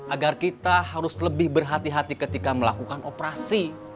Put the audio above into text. agar kita harus lebih berhati hati ketika melakukan operasi